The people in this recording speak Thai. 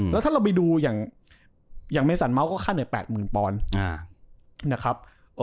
แล้วถ้าเราไปดูอย่างเมสันเมาส์ก็ค่าเหนื่อย๘๐๐๐ปอนด์นะครับ